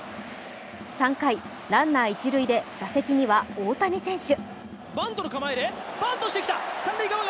３回、ランナー、一塁で打席には大谷選手。